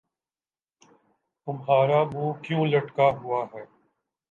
تمہارا منہ کیوں لٹکا ہوا ہے